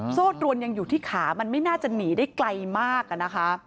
โซ่ตรวนยังอยู่ที่ขามันไม่น่าจะหนีได้ไกลมากอะนะคะ